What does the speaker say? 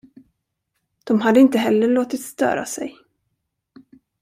De hade inte heller låtit störa sig.